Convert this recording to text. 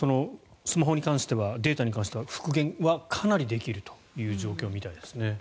スマホに関してはデータに関しては復元はかなりできるという状況みたいですね。